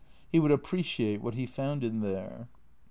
He would appreciate what he found in there.